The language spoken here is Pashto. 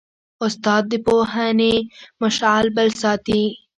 استاد د پوهنې مشعل بل ساتي.